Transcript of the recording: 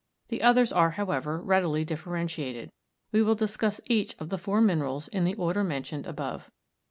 The others are, however, readily differentiated. We will discuss each of the four minerals in the order mentioned above.